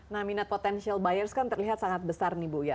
nah minat potensial buyers kan terlihat sangat besar nih bu ya